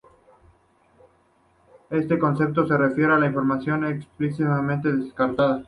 Este concepto se refiere a la "información explícitamente descartada".